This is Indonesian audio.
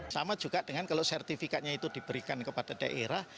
sama juga dengan kalau sertifikatnya itu diberikan kepada daerah